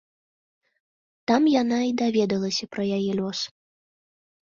Там яна і даведалася пра яе лёс.